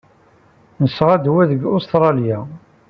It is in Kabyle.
Nesɣa-d wa deg Ustṛalya.